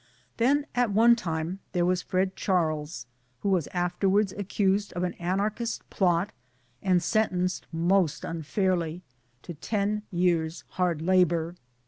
Then at one time there was Fred Charles who was afterwards accused of an anarchist plot and sentenced, most unfairly, to ten years' hard labour.